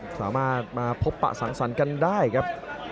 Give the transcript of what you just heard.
สามารถมาพบปะสังสรรค์กันได้ครับ